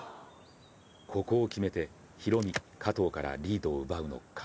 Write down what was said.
ここを決めて、ヒロミ、加藤からリードを奪うのか。